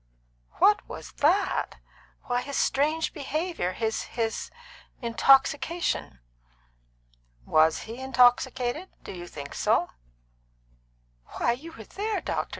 "What was that? Why, his strange behaviour his his intoxication." "Was he intoxicated? Did you think so?" "Why, you were there, doctor.